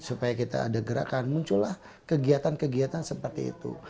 supaya kita ada gerakan muncullah kegiatan kegiatan seperti itu